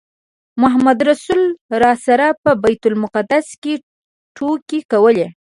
محمدرسول راسره په بیت المقدس کې ټوکې کولې.